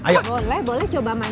boleh boleh coba main